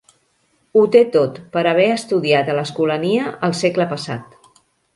Ho té tot, per haver estudiat a l'Escolania el segle passat.